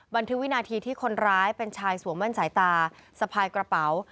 วินาทีที่คนร้ายเป็นชายสวมมั่นสายตาสะพายกระเป๋า